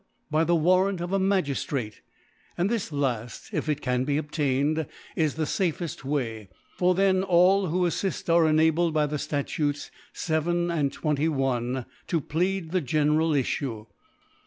By the, Warrant of a Magi» ftrate. And this laft, if it can be obtain* cd, is the fafeft Way : for then all who affift are en2A)led by the Statutes 7 and zi Jac, to plead the general Iflliei'. The